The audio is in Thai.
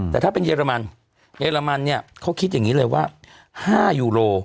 แต่ถ้าเป็นเยอรมันเยอรมันเนี่ยเขาคิดอย่างนี้เลยว่า๕ยูโร